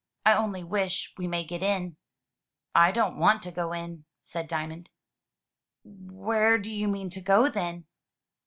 "I only wish we may get in." "I don't want to go in," said Diamond. "Where do you mean to go, then?"